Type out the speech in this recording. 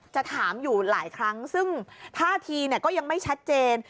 จะถามอยู่หลายครั้งซึ่งท่าทีก็ยังไม่ชัดเจน